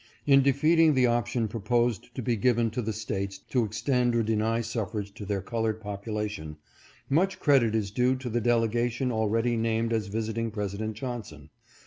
In defeating the option proposed to be given to the States to extend or deny suffrage to their colored popula tion, much credit is due to the delegation already named as visiting President Johnson.